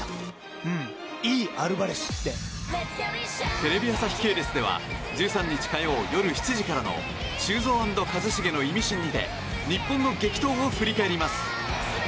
テレビ朝日系列では１３日火曜夜７時からの「修造＆一茂のイミシン」にて日本の激闘を振り返ります。